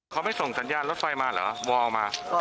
เขาไม่ส่งสัญญาณรถไฟมาเหรอวอลออกมา